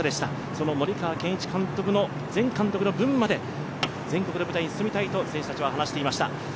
その森川賢一前監督の分まで全国の舞台に行きたいと選手たちは離していました。